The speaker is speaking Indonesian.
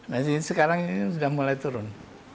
nah sekarang ini sudah mulai turun